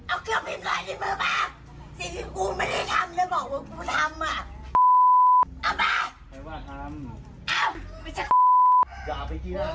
เอาแกล้วตีปริ๊มด็อยไปเปิ่ง